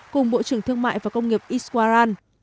cùng bộ trưởng thương mại và công nghiệp iswaran